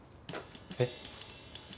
えっ？